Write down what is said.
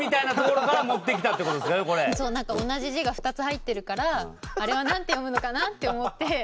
そうなんか同じ字が２つ入ってるからあれはなんて読むのかなって思って。